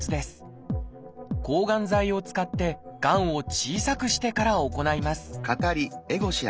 抗がん剤を使ってがんを小さくしてから行います